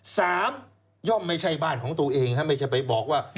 ย่อมไม่ใช่บ้านของตัวเองไม่ใช่ไปบอกว่า